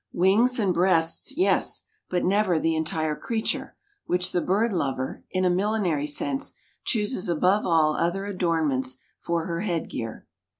Wings and breasts, yes, but never the entire creature, which the bird lover in a millinery sense chooses above all other adornments for her headgear.